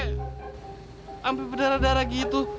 sampe berdarah darah gitu